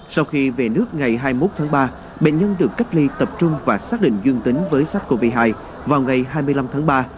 sau khi về nước ngày hai mươi một tháng ba bệnh nhân được cách ly tập trung và xác định dương tính với sars cov hai vào ngày hai mươi năm tháng ba